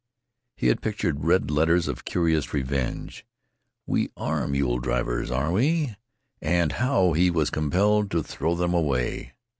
He had pictured red letters of curious revenge. "We ARE mule drivers, are we?" And now he was compelled to throw them away.